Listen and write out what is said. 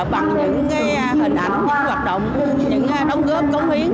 bằng những hình ảnh những hoạt động những đóng góp cống hiến